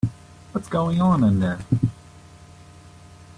What's going on in there?